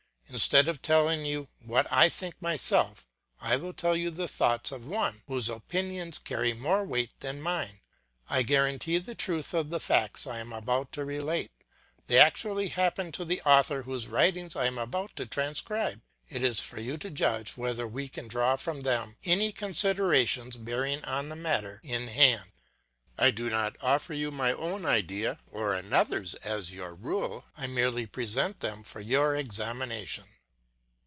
Instead of telling you what I think myself, I will tell you the thoughts of one whose opinions carry more weight than mine. I guarantee the truth of the facts I am about to relate; they actually happened to the author whose writings I am about to transcribe; it is for you to judge whether we can draw from them any considerations bearing on the matter in hand. I do not offer you my own idea or another's as your rule; I merely present them for your examination.